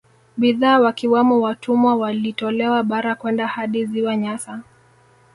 Bidhaa wakiwamo watumwa walitolewa bara kwenda hadi Ziwa Nyasa